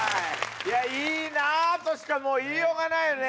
いや「いいな」としか言いようがないよね。